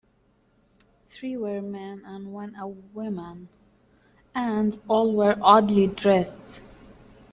Three were men and one a woman, and all were oddly dressed.